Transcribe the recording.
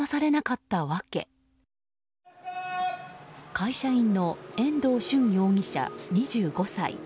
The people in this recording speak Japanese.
会社員の遠藤駿容疑者、２５歳。